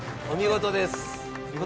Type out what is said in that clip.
お見事です。